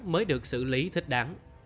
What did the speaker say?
mới được xử lý thích đáng